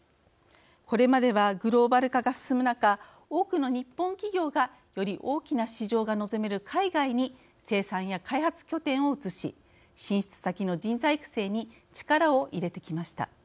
これまではグローバル化が進む中多くの日本企業がより大きな市場が望める海外に生産や開発拠点を移し進出先の人材育成に力を入れてきました。